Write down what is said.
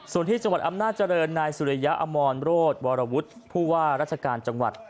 ส่วนที่จังหวัดอำนาจเจริญนายสุริยะอมรโรธวรวุฒิผู้ว่าราชการจังหวัด